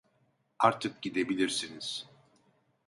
Artık gidebilirsiniz.